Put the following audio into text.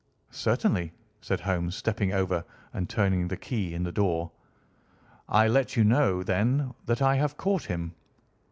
"Certainly," said Holmes, stepping over and turning the key in the door. "I let you know, then, that I have caught him!"